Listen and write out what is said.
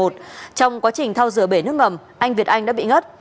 trong quá trình thao rửa bể nước ngầm anh việt anh đã bị ngất